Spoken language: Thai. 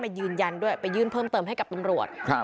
ยืนยันด้วยไปยื่นเพิ่มเติมให้กับตำรวจ